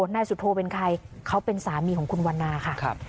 นายสุโธเป็นใครเขาเป็นสามีของคุณวันนาค่ะ